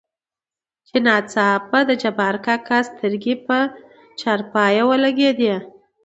چې ناڅاپه دجبارکاکا سترګې په چارپايي ولګېدې.